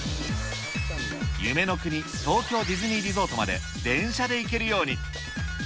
夢の国、東京ディズニーリゾートまで電車で行けるように。